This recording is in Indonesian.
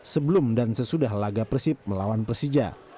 sebelum dan sesudah laga persib melawan persija